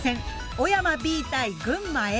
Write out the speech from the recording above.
小山Ｂ対群馬Ａ。